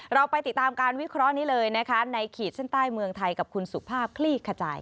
เราไปติดตามการวิเคราะห์นี้เลยนะคะในขีดเส้นใต้เมืองไทยกับคุณสุภาพคลี่ขจาย